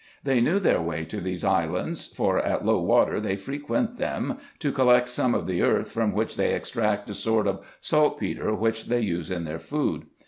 They knew their way to these islands ; for at low water they frequent them, to collect some of the earth, from which they extract a sort of salt petre, which they use in their food.